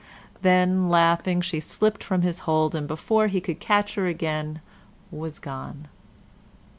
Then, laughing, she slipped from his hold, and before he could catch her again was gone.